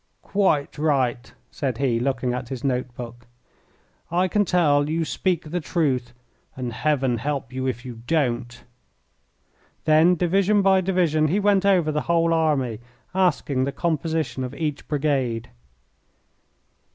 "Quite right," said he, looking at his note book. "I can tell you speak the truth, and Heaven help you if you don't." Then, division by division, he went over the whole army, asking the composition of each brigade.